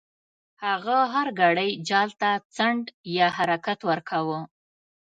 هغه هر ګړی جال ته څنډ یا حرکت ورکاوه.